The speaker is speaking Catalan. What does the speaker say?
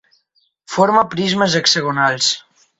Forma prismes hexagonals.